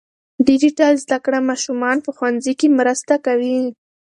ډیجیټل زده کړه ماشومان په ښوونځي کې مرسته کوي.